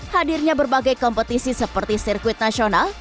hadirnya berbagai kompetisi seperti sirkuit nasional